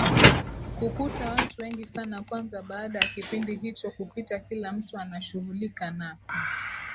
kukuta watu wengi sana Kwanza baada ya kipindi hicho kupita kila mtu anashughulika na